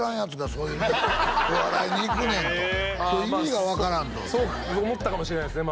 「そういうお笑いに行くねん」と意味が分からんとそう思ったかもしれないですね